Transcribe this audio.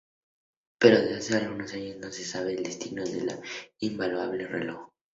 Pero desde hace algunos años no se sabe el destino de este invaluable reloj.